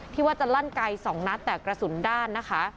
ที่ว่าจะลั่นไกล๒นัดแต่กระสุนด้านนะคะ